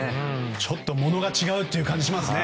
ちょっとものが違うって感じがしますね。